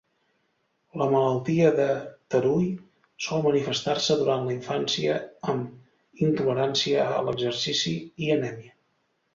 La malaltia de Tarui sol manifestar-se durant la infància amb intolerància a l'exercici i anèmia.